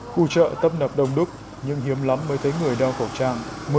khu chợ tâm nập đông đúc nhưng hiếm lắm mới thấy người đeo khẩu trang